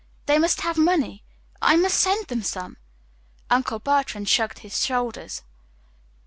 They must have money. I must send them some." Uncle Bertrand shrugged his shoulders.